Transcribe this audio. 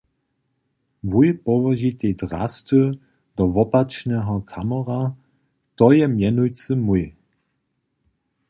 Wój połožitej drasty do wopačneho kamora, to je mjenujcy mój.